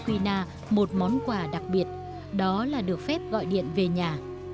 hôm nay bà okasan thưởng cho yukina một món quà đặc biệt đó là được phép gọi điện về nhà